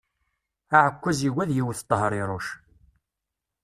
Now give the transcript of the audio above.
Aɛekkaz yugi ad yewwet Tehriruc.